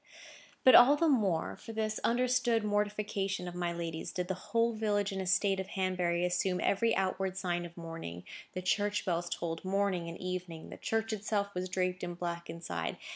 But all the more, for this understood mortification of my lady's, did the whole village and estate of Hanbury assume every outward sign of mourning. The church bells tolled morning and evening. The church itself was draped in black inside.